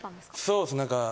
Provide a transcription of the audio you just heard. そうです。